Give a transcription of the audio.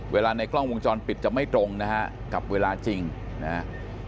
ในกล้องวงจรปิดจะไม่ตรงนะฮะกับเวลาจริงนะฮะ